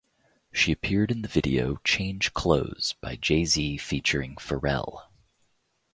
She appeared in the video "Change Clothes" by Jay-Z ft. Pharrell.